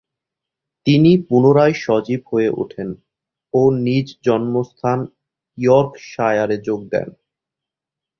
তিনি পুনরায় সজীব হয়ে উঠেন ও নিজ জন্মস্থান ইয়র্কশায়ারে যোগ দেন।